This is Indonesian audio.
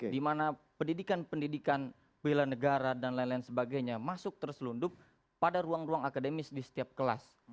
di mana pendidikan pendidikan bela negara dan lain lain sebagainya masuk terselundup pada ruang ruang akademis di setiap kelas